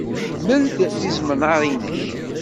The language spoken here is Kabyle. Mel-d tizemmar-nnek.